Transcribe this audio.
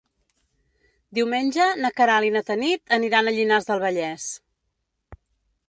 Diumenge na Queralt i na Tanit aniran a Llinars del Vallès.